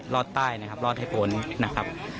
รอดใต้นะครับรอดให้พ้นนะครับ